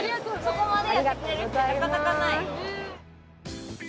そこまでやってくれるってなかなかないよ